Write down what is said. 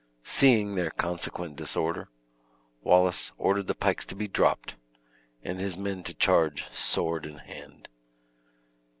Seeing their consequent disorder, Wallace ordered the pikes to be dropped, and his men to charge sword in hand.